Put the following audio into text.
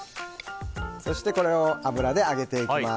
そしてこれを油で揚げていきます。